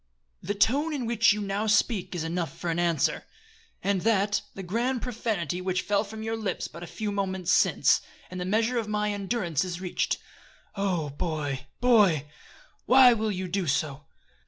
"The tone in which you now speak is enough for answer. Add to that the gross profanity which fell from your lips but a few moments since, and the measure of my endurance is reached. Oh, boy! boy! why will you do so?